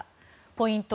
ポイント